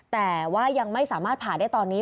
แต่ว่ายังไม่สามารถผ่าได้ตอนนี้